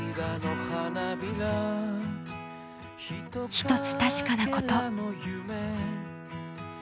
一つ確かなこと。